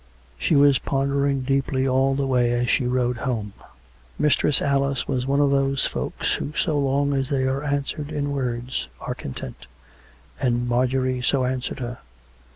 She was pondering deeply all the way as she rode home. Mistress Alice was one of those folks who so long as they are answered in words are content; and Marjorie so answered her.